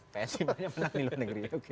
psi pernah menang di luar negeri